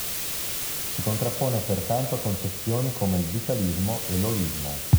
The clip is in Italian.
Si contrappone pertanto a concezioni come il vitalismo e l'olismo.